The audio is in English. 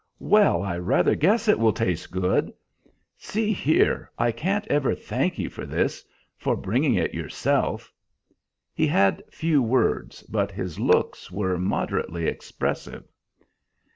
Well, I rather guess it will taste good! See here, I can't ever thank you for this for bringing it yourself." He had few words, but his looks were moderately expressive.